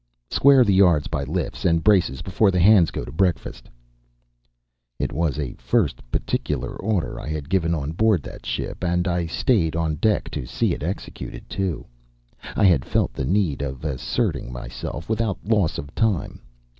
"Square the yards by lifts and braces before the hands go to breakfast." It was the first particular order I had given on board that ship; and I stayed on deck to see it executed, too. I had felt the need of asserting myself without loss of time.